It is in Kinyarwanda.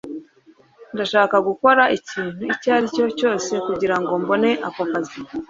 Ndashaka gukora ikintu icyo ari cyo cyose kugirango mbone ako kazi